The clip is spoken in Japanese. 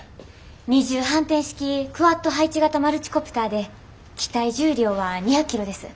二重反転式クアッド配置型マルチコプターで機体重量は２００キロです。